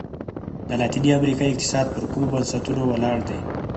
د لاتیني امریکا اقتصاد پر کومو بنسټونو ولاړ دی؟